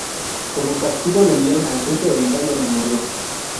Como castigo lo enviaron al Frente Oriental, donde murió.